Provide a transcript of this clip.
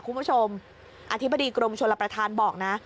คุณผู้ชมอธิบดีกรมชลประธานบอกนะ